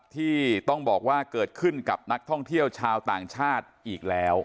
ที่ต้องบอกว่าเกิดขึ้นกับนักท่องเที่ยวชาวต่างชาติอีกแล้ว